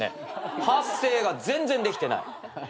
発声が全然できてない。